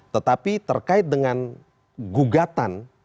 tetapi terkait dengan gugatan